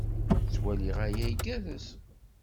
Ttwaliɣ aya igerrez.